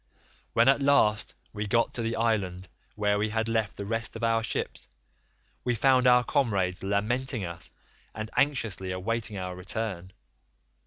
"When at last we got to the island where we had left the rest of our ships, we found our comrades lamenting us, and anxiously awaiting our return.